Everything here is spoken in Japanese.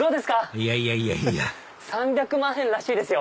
いやいやいやいや３００万円らしいですよ。